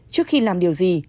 trước khi làm điều gì